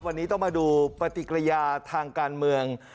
วันนี้ต้องมาดูปฏิกิริยาทางการเมือง